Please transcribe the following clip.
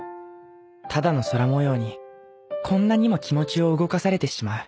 ただの空模様にこんなにも気持ちを動かされてしまう